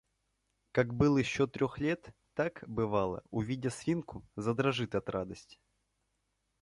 Как был еще трех лет, так, бывало, увидя свинку, задрожит от радости.